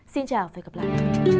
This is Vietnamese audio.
xin chào và hẹn gặp lại